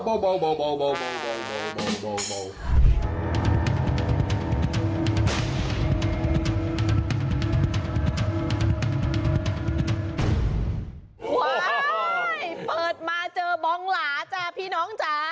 เปิดมาเจอบองหลาจ้ะพี่น้องจ๋า